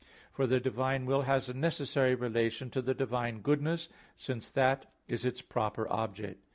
For the divine will has a necessary relation to the divine goodness, since that is its proper object.